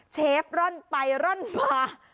เชฟร่อนไปร่อนมา